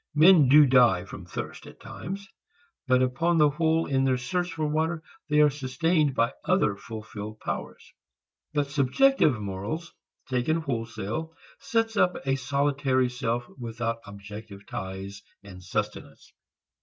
Men do die from thirst at times, but upon the whole in their search for water they are sustained by other fulfilled powers. But subjective morals taken wholesale sets up a solitary self without objective ties and sustenance.